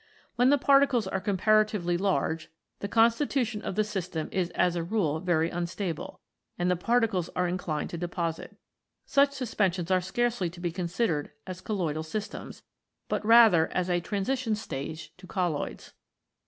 When the particles are comparatively large the constitution of the system is as a rule very unstable, and the particles are inclined to deposit. Such suspensions are scarcely to be con sidered as colloidal systems, but rather as a transi tion stage to colloids.